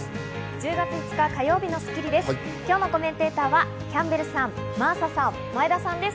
１０月５日、火曜日の『スッキリ』です。